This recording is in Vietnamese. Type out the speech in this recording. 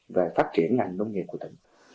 về phát triển ngành nông nghiệp của tỉnh